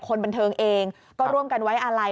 คนบันเทิงเองก็ร่วมกันวัยอะไร